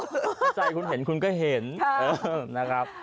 ถ้าใจคุณเห็นคุณก็เห็น